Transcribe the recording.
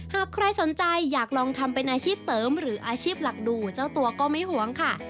หากใครสนใจอยากลองทำเป็นอาชีพเสริมหรืออาชีพหลักดูเจ้าตัวก็ไม่หวงค่ะ